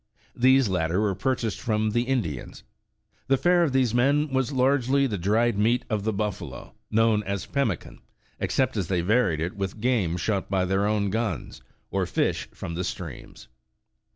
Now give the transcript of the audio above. These latter were purchased from the Indi ans. The fare of these men was largely the dried meat of the buffalo, known as pemmican, except as they varied it with game shot by their own guns, or fish from the streams.